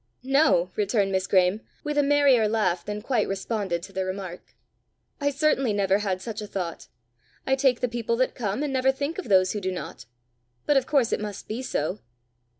"No," returned Miss Graeme, with a merrier laugh than quite responded to the remark, "I certainly never had such a thought. I take the people that come, and never think of those who do not. But of course it must be so."